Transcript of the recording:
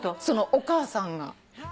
そのお母さんが。